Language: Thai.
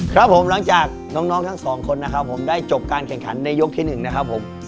ครับผมหลังจากน้องทั้งสองคนนะครับผมได้จบการแข่งขันในยกที่๑นะครับผม